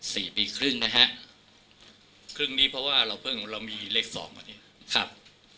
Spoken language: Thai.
สี่ปีครึ่งนะฮะครึ่งนี้เพราะว่าเราเพิ่งเรามีเลขสองวันนี้ครับ